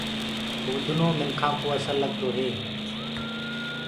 ڦُودنو منکآ ڪوُ اسل لگدو هي۔